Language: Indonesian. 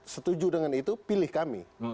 setuju dengan itu pilih kami